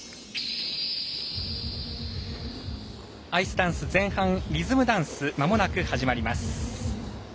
アイスダンス、前半リズムダンスまもなく始まります。